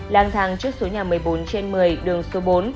lang thang trước số nhà một mươi bốn trên một mươi đường số bốn